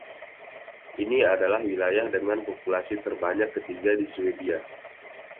Ini adalah wilayah dengan populasi terbanyak ketiga di Swedia.